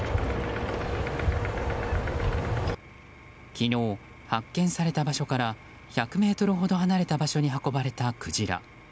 昨日、発見された場所から１００ｍほど離れた場所に運ばれたクジラ。